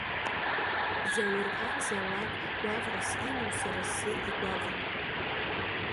Заурҟан Золак гәаҟрас имоу сара сзы игәаҟрам.